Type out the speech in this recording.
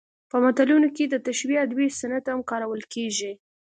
په متلونو کې د تشبیه ادبي صنعت هم کارول کیږي